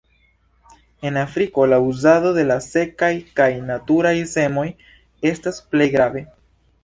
En Afriko la uzado de la sekaj kaj maturaj semoj estas plej grave.